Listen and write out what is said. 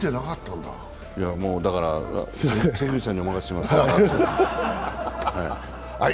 だから関口さんにお任せします。